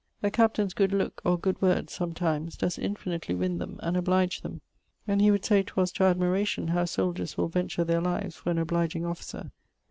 A captaine's good look, or good word (some times), does infinitely winne them, and oblige them; and he would say 'twas to admiration how souldiers will venture their lives for an obligeing officer.